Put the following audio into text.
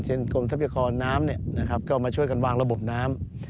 กรมทรัพยากรน้ำก็มาช่วยกันวางระบบน้ำ